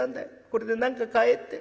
『これで何か買え』って。